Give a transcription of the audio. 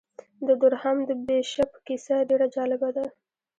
د دورهام د بیشپ کیسه ډېره جالبه ده.